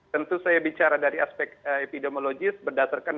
tentu saya bicara dari aspek epidemiologis berdasarkan